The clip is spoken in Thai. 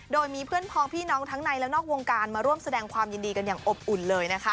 โดยมีเพื่อนพองพี่น้องทั้งในและนอกวงการมาร่วมแสดงความยินดีกันอย่างอบอุ่นเลยนะคะ